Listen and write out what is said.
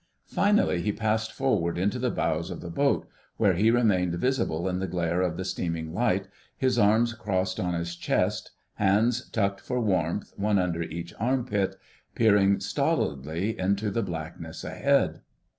Finally he passed forward into the bows of the boat, where he remained visible in the glare of the steaming light, his arms crossed on his chest, hands tucked for warmth one under each arm pit, peering stolidly into the blackness ahead.